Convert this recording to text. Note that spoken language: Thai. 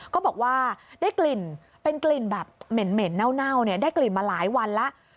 ก็บอกว่าได้กลิ่นเป็นกลิ่นแบบเหม็นเน่าเนี่ยได้กลิ่นมาหลายวันแล้ว